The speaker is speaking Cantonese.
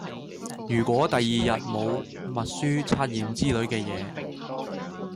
如果第二日冇默書測驗之類嘅野